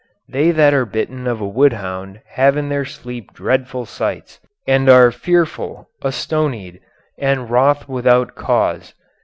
They that are bitten of a wood hound have in their sleep dreadful sights, and are fearful, astonied, and wroth without cause.